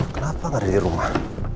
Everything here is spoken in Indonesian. kenapa nggak ada di rumah